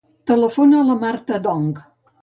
Telefona a la Marta Ndong.